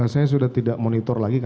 saya sudah tidak monitor lagi